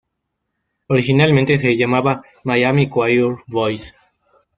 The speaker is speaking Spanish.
Originalmente se llamaba "Miami Choir Boys".